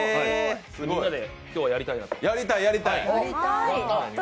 みんなで今日はやりたいなと。